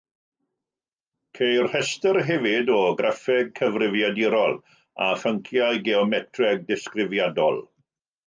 Ceir rhestr hefyd o graffeg cyfrifiadurol a phynciau geometreg disgrifiadol.